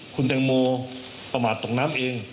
คุณแตงโมประมาทตกน้ำเอง